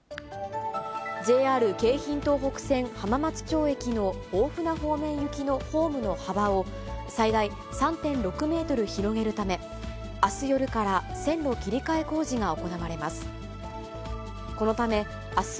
ＪＲ京浜東北線浜松町駅の大船方面行きのホームの幅を、最大３．６メートル広げるため、あす夜から線路切り替え工事が行われます。